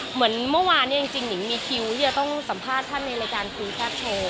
เหมือนเมื่อวานเนี่ยจริงหนิงมีคิวที่จะต้องสัมภาษณ์ท่านในรายการคุยแทบโชว์